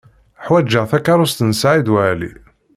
Ḥwajeɣ takeṛṛust n Saɛid Waɛli.